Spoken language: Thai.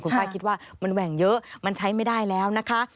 คุณป้าคิดว่ามันแหว่งเยอะมันใช้ไม่ได้แล้วนะคะ